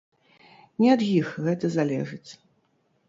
Не ад іх гэта залежыць.